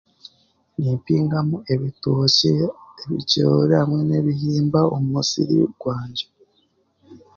Nimpingamu ebitookye ebicoori hamwe n'ebihimba omu musiri gwangye